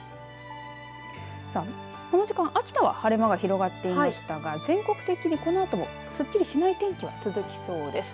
さあ、この時間、秋田は晴れ間が広がっていましたが全国的に、このあともすっきりしない天気が続きそうです。